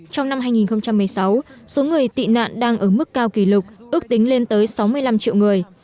trong năm hai nghìn một mươi sáu số người tị nạn đang ở mức cao kỷ lục ước tính lên tới sáu mươi năm triệu người